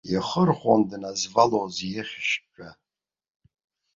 Ихырхәон дназвалоз ихьшьцәа.